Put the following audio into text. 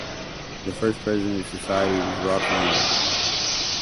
The first president of the society was Robson Lowe.